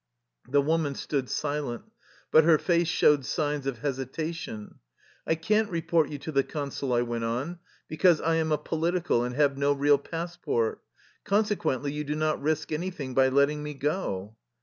The woman stood silent, but her face showed signs of hesitation. " I can't report you to the Consul," I went on, " because • I am a ^ political ' and have no real passport. Consequently you do not risk any thing by letting me go."